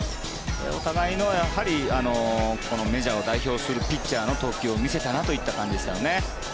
お互いのメジャーを代表するピッチャーの投球を見せたなといった感じでしたよね。